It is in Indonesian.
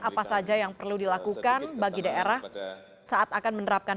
apa saja yang perlu dilakukan bagi daerah saat akan menerapkan